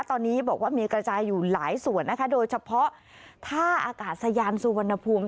ตอนนี้บอกว่ามีกระจายอยู่หลายส่วนนะคะโดยเฉพาะท่าอากาศยานสุวรรณภูมิ